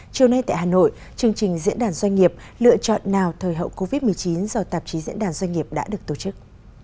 chiều nay tại hà nội chương trình diễn đàn doanh nghiệp lựa chọn nào thời hậu covid một mươi chín do tạp chí diễn đàn doanh nghiệp đã được tổ chức